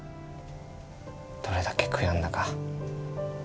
どれだけ悔やんだか。